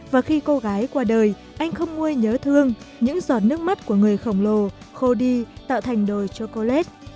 và khi cô gái qua đời anh không nguôi nhớ thương những giọt nước mắt của người khổng lồ khô đi tạo thành đồi sô cô let